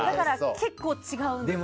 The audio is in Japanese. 結構、違うんです。